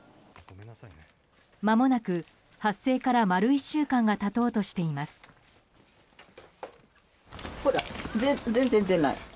まもなく発生から丸１週間が経とうとしています。